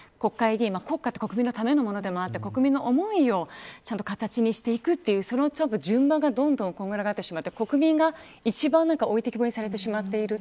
国家って国民のためのものであって国民の思いを形にしていくというその順番が、どんどんこんがらがってしまって国民が一番置いてきぼりにされてしまっている。